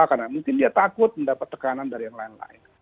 karena mungkin dia takut mendapat tekanan dari yang lain lain